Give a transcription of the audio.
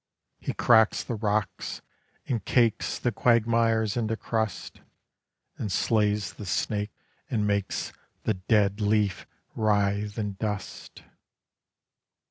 He cracks the rocks, and cakes The quagmires into crust, And slays the snake, and makes The dead leaf writhe in dust.